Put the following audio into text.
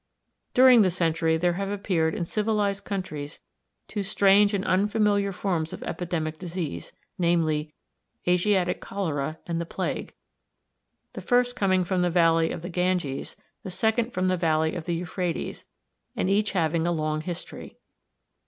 During the century there have appeared in civilized countries two strange and unfamiliar forms of epidemic disease, namely, Asiatic cholera and the plague, the first coming from the valley of the Ganges, the second from the valley of the Euphrates, and each having a long history.